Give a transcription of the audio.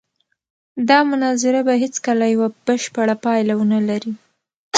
دا مناظره به هېڅکله یوه بشپړه پایله ونه لري.